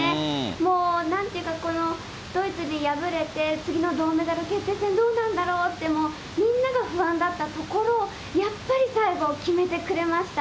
もうなんていうか、このドイツに敗れて、次の銅メダル決定戦、どうなんだろうって、みんなが不安だったところを、やっぱり最後、決めてくれました。